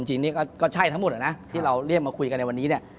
จริงนี่ก็ใช่ทั้งหมดนะที่เราเรียกมาคุยกันในวันนี้เนี่ย